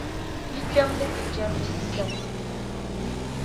bikpɛm’ ni ti jɛm bia sani.